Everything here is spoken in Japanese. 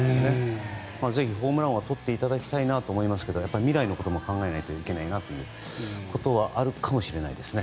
ぜひ、ホームラン王はとっていただきたいですが未来のことも考えないといけないということもあるかもしれないですね。